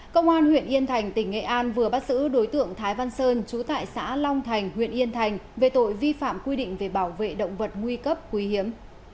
công an huyện yên thành tỉnh nghệ an vừa bắt giữ đối tượng thái văn sơn trú tại xã long thành huyện yên thành về tội vi phạm quy định về bảo vệ động vật nguy cấp quý hiếm